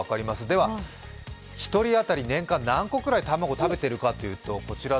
では、１人当たり年間何個ぐらい卵食べているかというとこちら。